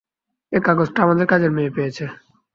এই কাগজটা আমাদের কাজের মেয়ে পেয়েছে।